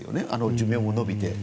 寿命も延びて。